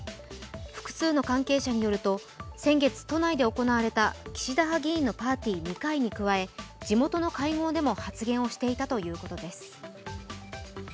複数の関係者によると先月都内で行われた岸田派の議員のパーティー２回に加え地元の会合でも発言をしていたということです。